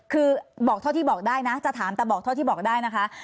คือบอกเท่าที่บอกได้นะจะถามแต่บอกเท่าที่บอกได้นะคะ